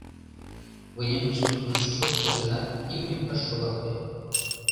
Вынем гыч луктын шуктыш гынат, имньым ыш шогалте.